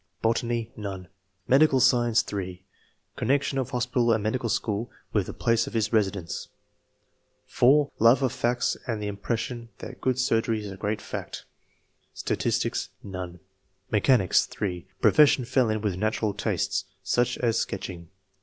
Botany. — None. Medical Science. — (3) Connection of hospital and medical school with the place of his resi dence. (4) Love of facts and the impression that good surgery is a great fact. Statistics. — None. Mechanics. — (3) Profession fell in with natural tastes, such as sketching.